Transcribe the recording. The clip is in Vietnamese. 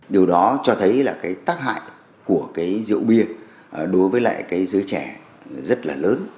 điều đó cho thấy là tác hại của rượu bia đối với giới trẻ rất là lớn